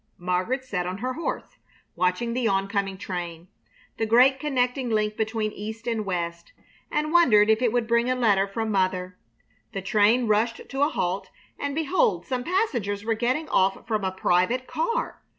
Margaret sat on her horse, watching the oncoming train, the great connecting link between East and West, and wondered if it would bring a letter from mother. The train rushed to a halt, and behold some passengers were getting off from a private car!